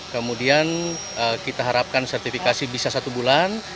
kemudian kita harapkan sertifikasi bisa satu bulan